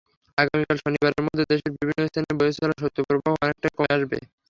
আগামীকাল শনিবারের মধ্যে দেশের বিভিন্ন স্থানে বয়ে চলা শৈত্যপ্রবাহ অনেকটাই কমে আসবে।